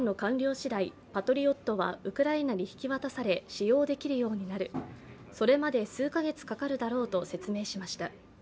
しだいパトリオットはウクライナに引き渡され使用できるようになるそれまで数か月かかるだろうと説明しました。